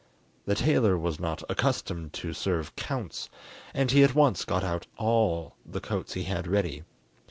The tailor was not accustomed to serve counts, and he at once got out all the coats he had ready.